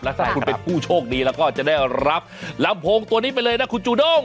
แล้วถ้าคุณเป็นผู้โชคดีเราก็จะได้รับหลัมพงตัวนี้ไปเลยนะคุณจูฎง